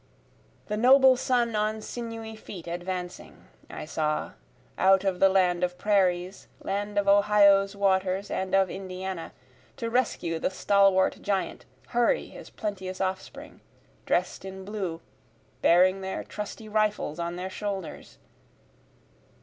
The noble son on sinewy feet advancing, I saw, out of the land of prairies, land of Ohio's waters and of Indiana, To the rescue the stalwart giant hurry his plenteous offspring, Drest in blue, bearing their trusty rifles on their shoulders.